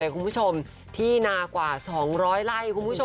คุณผู้ชมที่นากว่า๒๐๐ไร่คุณผู้ชม